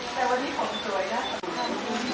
สวัสดีครับสวัสดีครับสวัสดีครับ